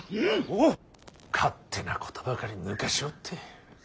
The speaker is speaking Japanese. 勝手なことばかり抜かしおって。